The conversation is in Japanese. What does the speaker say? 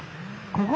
ここ！